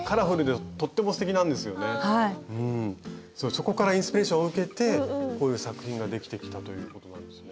そこからインスピレーションを受けてこういう作品ができてきたということなんですね。